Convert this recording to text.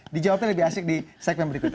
dijawabnya lebih asik di segmen berikutnya